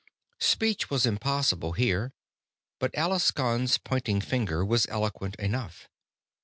Speech was impossible here, but Alaskon's pointing finger was eloquent enough.